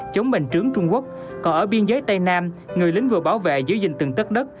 chống bình trướng trung quốc còn ở biên giới tây nam người lính vừa bảo vệ giữ gìn từng tất đất